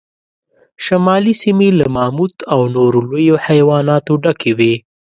شمالي سیمې له ماموت او نورو لویو حیواناتو ډکې وې.